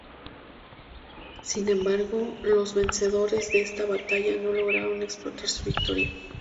Sin embargo, los vencedores de esta batalla no lograron explotar su victoria.